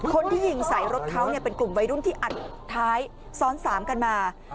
คนที่ยิงใส่รถเขาเป็นกลุ่มวัยรุ่นที่อัดท้ายซ้อนสามกันมา